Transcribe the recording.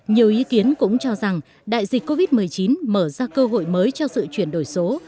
nhiều ý kiến cũng cho rằng đại dịch covid một mươi chín mở ra cơ hội mới cho sự chuyển đổi số